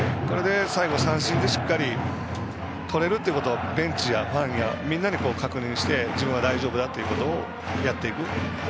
最後、三振でしっかりととれることをベンチやファンやみんなに確認をして自分は大丈夫だということをやっていく。